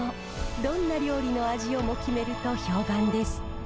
どんな料理の味をも決めると評判です。